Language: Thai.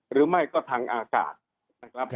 หรือไม่ก็ทางอากาศนะครับ